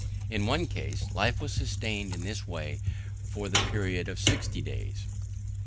In one case, life was sustained in this way for the period of sixty days.